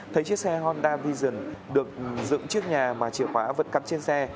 thấy chiếc xe honda vision được dựng trước nhà mà chìa khóa vẫn cắp trên xe